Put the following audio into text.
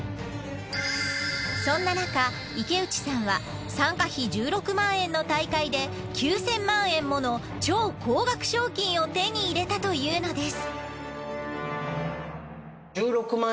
そんななか池内さんは参加費１６万円の大会で９０００万円もの超高額賞金を手に入れたというのです。